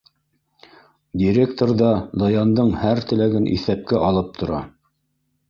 Директор ҙа Даяндың һәр теләген иҫәпкә алып тора.